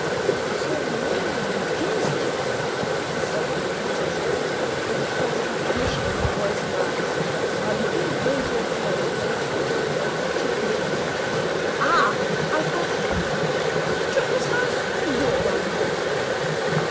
"Sir Norman Kingsley?" she softly repeated, with a sort of recognition in her voice and eyes, while a faint roseate glow rose softly over her face and neck. "Ah! I thought was it to his house or yours I was brought?"